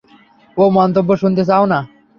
ওহ, মন্তব্য শুনতে চাও না?